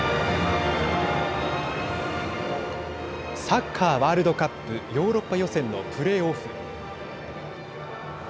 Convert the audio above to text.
サッカーワールドカップヨーロッパ予選のプレーオフ。